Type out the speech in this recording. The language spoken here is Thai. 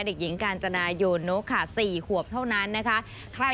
เด็กหญิงกาญจนาโยนกค่ะ๔ขวบเท่านั้นนะคะ